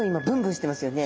してますね。